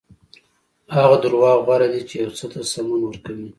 هغه دروغ غوره دي چې یو څه ته سمون ورکوي.